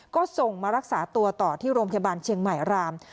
ก็ส่งมารักษาตัวต่อที่โรงพยาบาลเชียงใหม่ราม